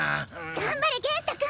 頑張れ元太君！